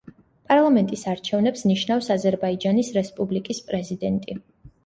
პარლამენტის არჩევნებს ნიშნავს აზერბაიჯანის რესპუბლიკის პრეზიდენტი.